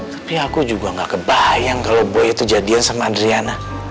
tapi aku juga gak kebayang kalau boy itu jadian sama adriana